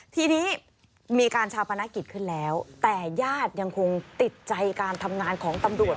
ทีนี้มีการชาปนกิจขึ้นแล้วแต่ญาติยังคงติดใจการทำงานของตำรวจ